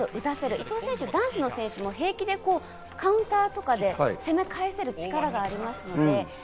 伊藤選手、男子の選手も平気でカウンターとかで攻め返せる力がありますので。